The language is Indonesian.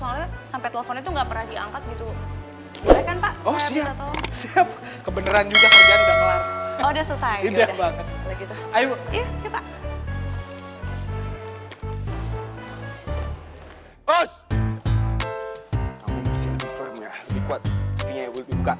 ini si arnold yang udah paling tebut bu